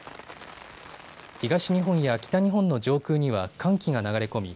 東日本や北日本の上空には寒気が流れ込み